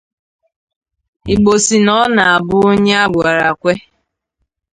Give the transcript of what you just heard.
Igbo sị na ọ na-abụ onye a gwara kwe